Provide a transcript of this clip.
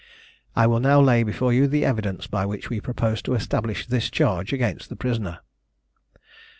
I will now lay before you the evidence by which we propose to establish this charge against the prisoner.